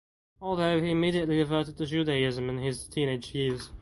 Although he immediately reverted to Judaism in his teenage years.